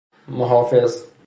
محافظ